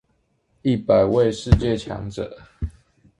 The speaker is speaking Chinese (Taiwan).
一百位世界強者